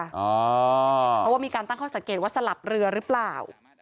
เพราะว่ามีการตั้งข้อสังเกตว่าสลับเรือหรือเปล่า